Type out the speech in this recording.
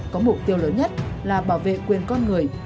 có mục tiêu lớn nhất là bảo vệ quyền con người